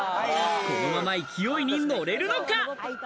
このままいきおいに乗れるのか。